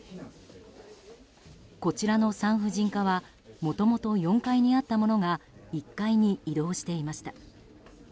こちらの産婦人科はもともと４階にあったものが１階に移動していました。